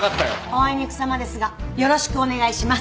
おあいにくさまですがよろしくお願いします。